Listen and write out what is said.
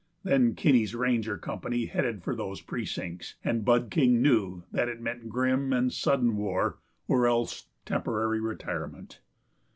Then Kinney's ranger company headed for those precincts, and Bud King knew that it meant grim and sudden war or else temporary retirement.